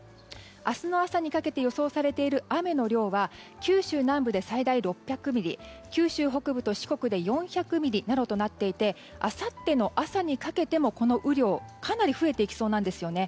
明日の朝にかけて予想されている雨の量は九州南部で最大６００ミリ九州北部と四国で４００ミリなどとなっていてあさっての朝にかけてもこの雨量、かなり増えていきそうなんですよね。